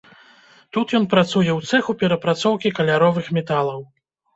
Тут ён працуе ў цэху перапрацоўкі каляровых металаў.